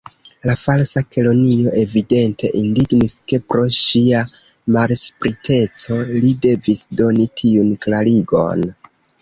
La Falsa Kelonio evidente indignis, ke pro ŝia malspriteco li devis doni tiun klarigon.